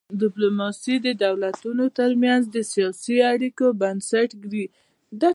ډیپلوماسي د دولتونو ترمنځ د سیاسي اړیکو بنسټ ایږدي.